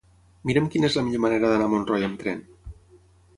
Mira'm quina és la millor manera d'anar a Montroi amb tren.